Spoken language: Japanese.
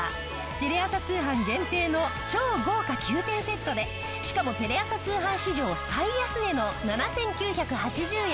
テレ朝通販限定の超豪華９点セットでしかもテレ朝通販史上最安値の７９８０円！